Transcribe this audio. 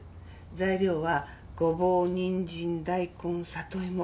材料はごぼうにんじん大根里芋。